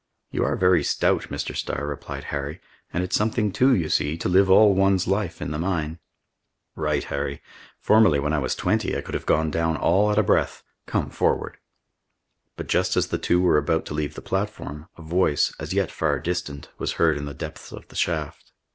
"You are very stout, Mr. Starr," replied Harry, "and it's something too, you see, to live all one's life in the mine." "Right, Harry. Formerly, when I was twenty, I could have gone down all at a breath. Come, forward!" But just as the two were about to leave the platform, a voice, as yet far distant, was heard in the depths of the shaft.